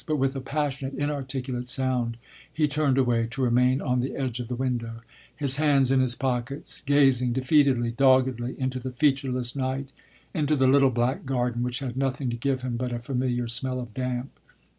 But with a passionate, inarticulate sound he turned away, to remain, on the edge of the window, his hands in his pockets, gazing defeatedly, doggedly, into the featureless night, into the little black garden which had nothing to give him but a familiar smell of damp.